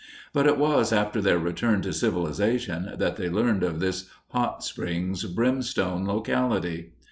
But it was after their return to civilization that they learned of this "hot springs brimstone" locality.